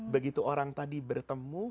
begitu orang tadi bertemu